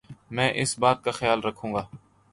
میں اس بات کا خیال رکھوں گا ـ